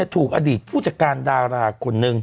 ถูกอดีตผู้จัดการดาราคนหนึ่ง